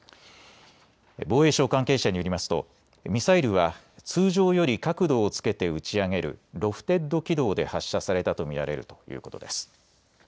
防衛省関係者によりますとミサイルは通常より角度をつけて打ち上げるロフテッド軌道で発射されたと見られるということです。